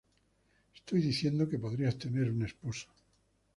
Estoy diciendo que podrías tener un esposo.